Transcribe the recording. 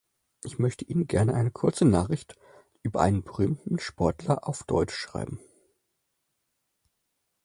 Ich möchte Ihnen gerne eine kurze Nachricht über einen berühmten Sportler auf Deutsch schreiben.